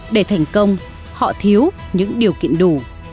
để thành công họ thiếu những điều kiện đủ